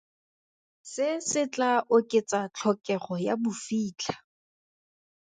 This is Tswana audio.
Se se tla oketsa tlhokego ya bofitlha.